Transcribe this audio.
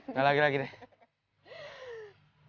nggak lagi lagi deh